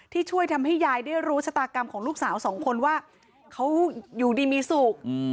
ช่วยทำให้ยายได้รู้ชะตากรรมของลูกสาวสองคนว่าเขาอยู่ดีมีสุข